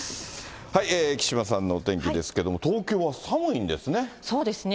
木島さんのお天気ですけれども、そうですね。